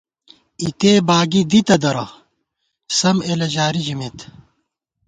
اِتے باگی دِتہ درہ ، سم اېلہ جاری ژِمېت